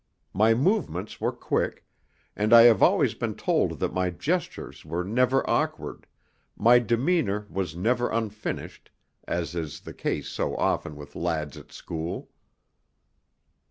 My movements were quick, and I have always been told that my gestures were never awkward, my demeanour was never unfinished, as is the case so often with lads at school.